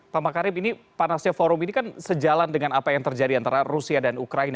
pak makarim ini panasnya forum ini kan sejalan dengan apa yang terjadi antara rusia dan ukraina